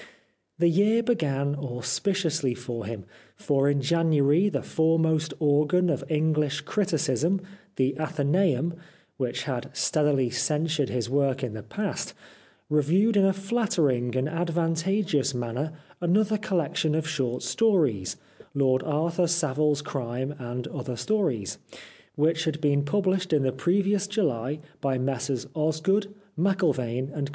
The year began auspiciously for him, for in January the foremost organ of Enghsh criticism, 314 The Life of Oscar Wilde the AthencBum, which had steadily censured his work in the past, reviewed in a flattering and advantageous manner another collection of short stories :" Lord Arthur Savile's Crime and Other Stories," which had been published in the previous July by Messrs Osgood, M'llvaine & Co.